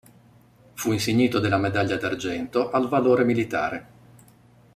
Fu insignito della medaglia d'argento al valore militare.